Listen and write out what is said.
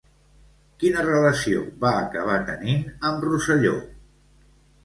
Quina relació va acabar tenint amb Rosselló?